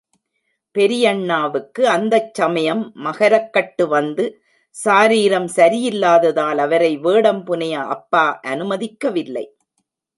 பெரியண்ணாவுக்கு அந்தச் சமயம் மகரக் கட்டு வந்து சாரீரம் சரியில்லாதலால் அவரை வேடம் புனைய அப்பா அனுமதிக்கவில்லை.